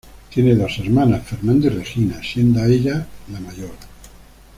Tiene dos hermanas: Fernanda y Regina, siendo ella la mayor.